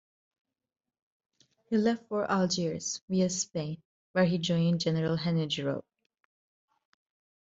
He left for Algiers, via Spain, where he joined General Henri Giraud.